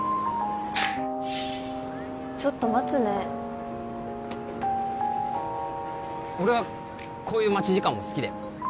ちょっと待つね俺はこういう待ち時間も好きだよ